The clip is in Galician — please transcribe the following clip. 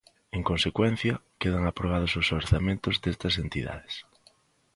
En consecuencia, quedan aprobados os orzamentos destas entidades.